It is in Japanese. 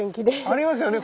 ありますよね。